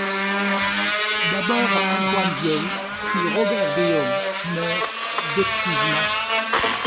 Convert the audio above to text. D'abord Antoine Vieille puis Robert Guillaume meurent d'épuisement.